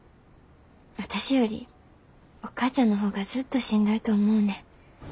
私よりお母ちゃんの方がずっとしんどいと思うねん。